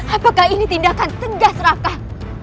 apakah ini tindakan tegas rafkah